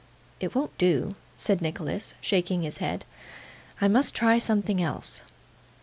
'It won't do,' said Nicholas, shaking his head; 'I must try something else.